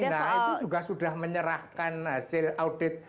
nah itu juga sudah menyerahkan hasil audit